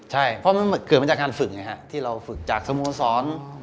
ใช่เพราะมันเกิดมาจากการฝึกเนี่ยฮะที่เราฝึกเธอเกิดจากสโมสร